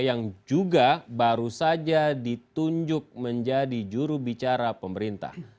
yang juga baru saja ditunjuk menjadi jurubicara pemerintah